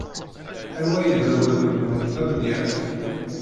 Anwa ay d awadem-nwent amenyaf?